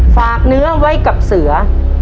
ฝากเนื้อไว้กับเสือ